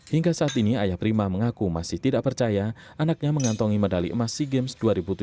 hingga saat ini ayah prima mengaku masih tidak percaya anaknya mengantongi medali emas sea games dua ribu tujuh belas